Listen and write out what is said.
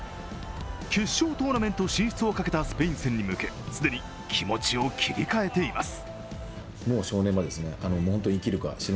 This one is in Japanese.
決勝トーナメント進出をかけたスペイン戦に向け既に気持ちを切り替えています。